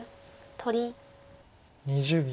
２０秒。